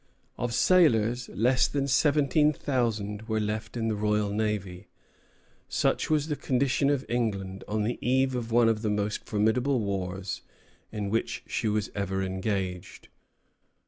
Of sailors, less than seventeen thousand were left in the Royal Navy. Such was the condition of England on the eve of one of the most formidable wars in which she was ever engaged.